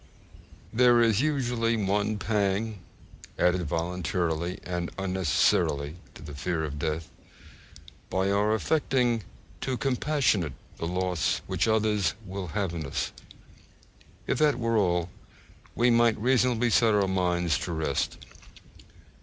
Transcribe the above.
There is usually one pang added voluntarily and unnecessarily to the fear of death, by our affecting to compassionate the loss which others will have in us. If that were all, we might reasonably set our minds at rest.